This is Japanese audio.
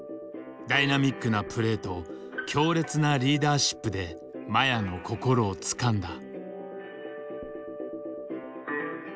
ダイナミックなプレーと強烈なリーダーシップで麻也の心をつかんだ。